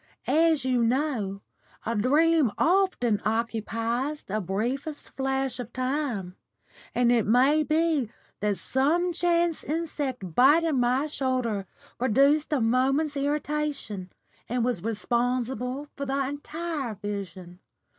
As you know, a dream often occupies the briefest flash of time, and it may be that some chance insect biting my shoulder produced a moment's irritation, and was responsible for the entire vision.